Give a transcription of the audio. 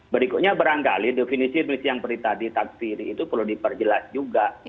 berikutnya berangkali definisi definisi yang peri tadi takfiri itu perlu diperjelas juga